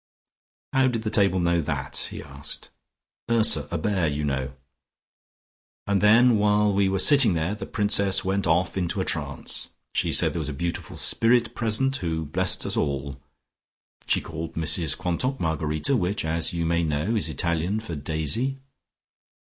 "How did the table know that?" he asked. "Ursa, a bear, you know. And then, while we were sitting there, the Princess went off into a trance. She said there was a beautiful spirit present, who blessed us all. She called Mrs Quantock Margarita, which, as you may know, is the Italian for Daisy."